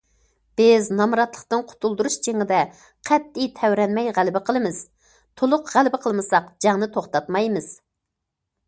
بىز نامراتلىقتىن قۇتۇلدۇرۇش جېڭىدە قەتئىي تەۋرەنمەي غەلىبە قىلىمىز، تولۇق غەلىبە قىلمىساق جەڭنى توختاتمايمىز.